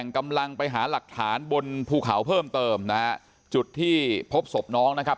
กำลังไปหาหลักฐานบนภูเขาเพิ่มเติมนะฮะจุดที่พบศพน้องนะครับ